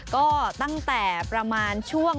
ก็ตั้งแต่ประมาณช่วง